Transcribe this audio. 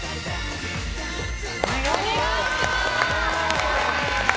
お願いします！